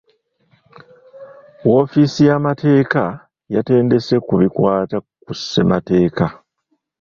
Woofiisi y'amateeka yatendese ku bikwata ku ssemateeka.